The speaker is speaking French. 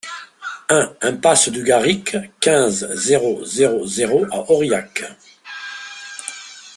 un impasse du Garric, quinze, zéro zéro zéro à Aurillac